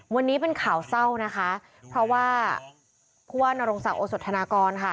วันนี้เป็นข่าวเศร้านะคะเพราะว่าผู้ว่านรงศักดิโอสธนากรค่ะ